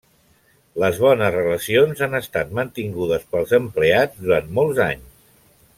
Les bones relacions han estat mantingudes pels empleats durant molts anys.